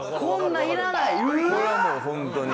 これはもうホントに。